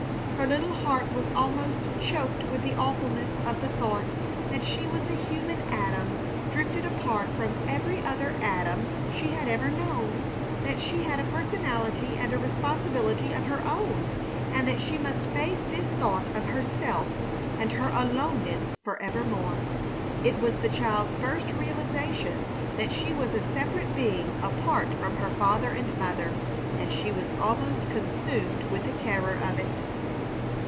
Her little heart was almost choked with the awfulness of the thought that she was a human atom drifted apart from every other atom she had ever known, that she had a personality and a responsibility of her own, and that she must face this thought of herself and her aloneness for evermore. It was the child's first realization that she was a separate being apart from her father and mother, and she was almost consumed with the terror of it.